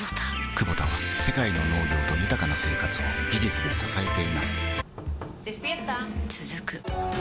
クボタは世界の農業と豊かな生活を技術で支えています起きて。